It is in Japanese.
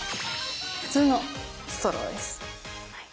普通のストローです。